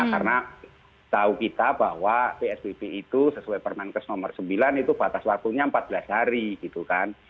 karena tahu kita bahwa psbb itu sesuai permenkes nomor sembilan itu batas waktunya empat belas hari gitu kan